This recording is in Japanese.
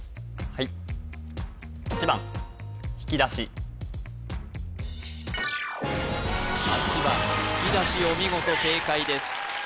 はい８番ひきだしお見事正解です